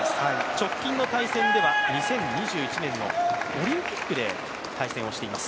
直近の対戦では２０２１年のオリンピックで対戦をしています。